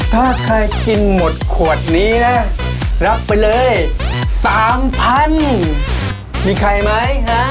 ถ้าใครกินหมดขวดนี้นะรับไปเลย๓๐๐มีใครไหม